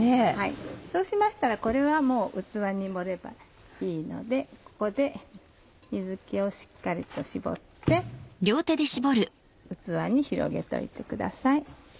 そうしましたらこれはもう器に盛ればいいのでここで水気をしっかりと絞って器に広げておいてください。